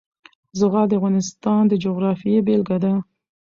زغال د افغانستان د جغرافیې بېلګه ده.